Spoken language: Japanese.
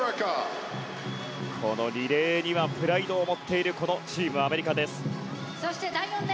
このリレーにはプライドを持っているチームアメリカです。